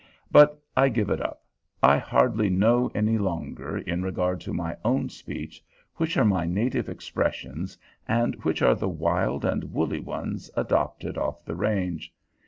But I give it up. I hardly know any longer, in regard to my own speech, which are my native expressions and which are the wild and woolly ones adopted off the range.